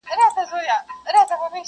هر انسان خپل حقيقت لټوي تل-